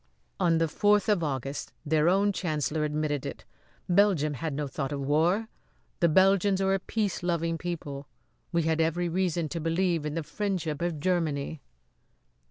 "On the fourth of August their own chancellor admitted it. Belgium had no thought of war. The Belgians are a peace loving people, who had every reason to believe in the friendship of Germany."